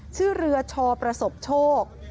ชื่อเรือชอประสบโชค